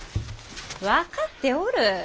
分かっておる。